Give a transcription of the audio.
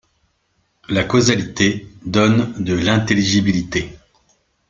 La causalité donne de l'intelligibilité.